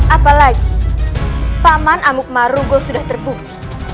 apalagi paman amukmarugo sudah terbukti